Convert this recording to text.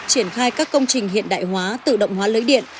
triển khai các công trình hiện đại hóa tự động hóa lưới điện